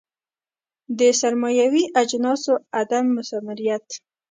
د سرمایوي اجناسو عدم مثمریت.